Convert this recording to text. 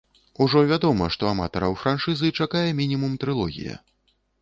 Ужо вядома, што аматараў франшызы чакае мінімум трылогія.